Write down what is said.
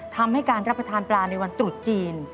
ทำให้การรับประทานปลาในวันตรุษจีน